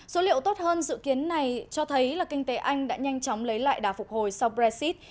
số liệu tốt hơn dự kiến này cho thấy là kinh tế anh đã nhanh chóng lấy lại đà phục hồi sau brexit